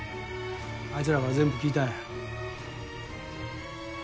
あいつらから全部聞いたんや。